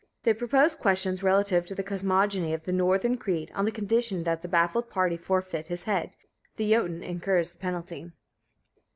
They propose questions relative to the Cosmogony of the Northern creed, on the conditions that the baffled party forfeit his head. The Jötun incurs the penalty.